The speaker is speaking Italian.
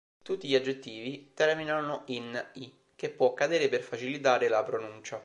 Tutti gli aggettivi terminano in -i, che può cadere per facilitare la pronuncia.